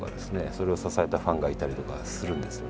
それを支えたファンがいたりとかするんですよね。